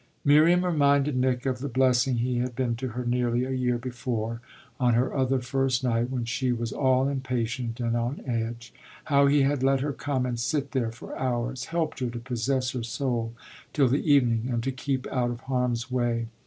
Miriam reminded Nick of the blessing he had been to her nearly a year before, on her other first night, when she was all impatient and on edge; how he had let her come and sit there for hours helped her to possess her soul till the evening and to keep out of harm's way.